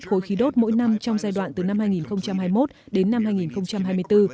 khối khí đốt mỗi năm trong giai đoạn từ năm hai nghìn hai mươi một đến năm hai nghìn hai mươi bốn